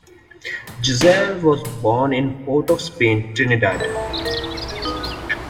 Giselle was born in Port-of-Spain, Trinidad.